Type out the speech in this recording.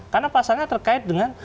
karena pasalnya terkait dengan